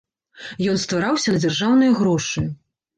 Ён ствараўся на дзяржаўныя грошы.